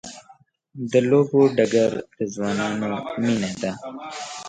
د لوبو ډګر د ځوانانو مینه ده.